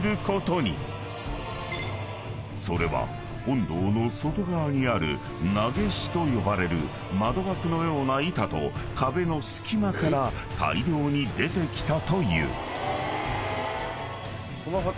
［それは本堂の外側にある長押と呼ばれる窓枠のような板と壁の隙間から大量に出てきたという］